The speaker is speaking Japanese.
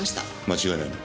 間違いないな？